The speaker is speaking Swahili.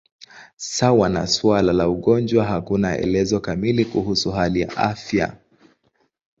Sawa na suala la ugonjwa, hakuna elezo kamili kuhusu hali ya afya.